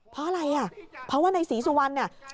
เพราะอะไรอ่ะเพราะว่าในศรีสุวรรณเนี่ย